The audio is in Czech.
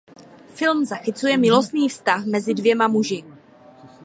Film zachycuje milostný vztah mezi dvěma muži.